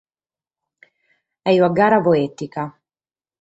Est una gara poètica.